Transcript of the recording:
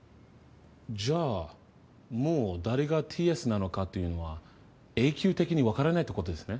じゃあもう誰がＴ・Ｓなのかっていうのは永久的に分からないってことですね。